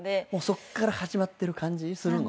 そっから始まってる感じするの？